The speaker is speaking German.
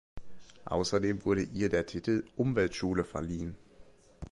Außerdem wurde ihr der Titel „Umweltschule“ verliehen.